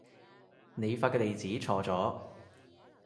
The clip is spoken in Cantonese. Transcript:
你發嘅地址錯咗